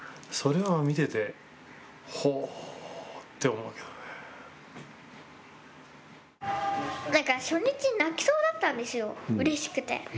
それは見てて、初日、泣きそうだったんですよ、うれしくて。